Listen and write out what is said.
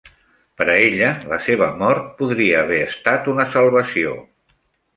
Per a ella, la seva mort podria haver estat una salvació.